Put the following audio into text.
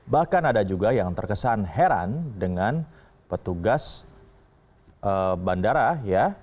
bahkan ada juga yang terkesan heran dengan petugas bandara ya